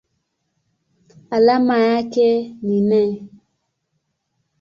Alama yake ni Ne.